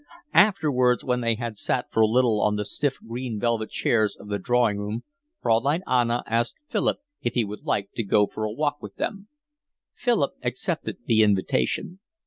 Afterwards, when they had sat for a little on the stiff green velvet chairs of the drawing room, Fraulein Anna asked Philip if he would like to go for a walk with them. Philip accepted the invitation.